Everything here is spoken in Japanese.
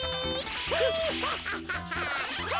ヒハハハハ！